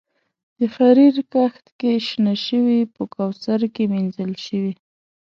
د حریر کښت کې شنه شوي په کوثر کې مینځل شوي